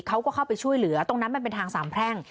เขาก็เข้าไปช่วยเหลือตรงนั้นมันเป็นทางสามแพร่ง